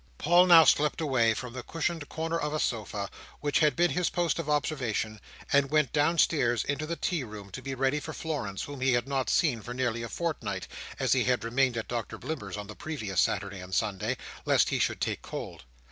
Paul now slipped away from the cushioned corner of a sofa, which had been his post of observation, and went downstairs into the tea room to be ready for Florence, whom he had not seen for nearly a fortnight, as he had remained at Doctor Blimber's on the previous Saturday and Sunday, lest he should take cold.